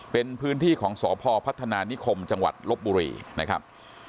เป็นพื้นที่ของสพพัฒนานิคมจังหวัดลบบุรีนะครับ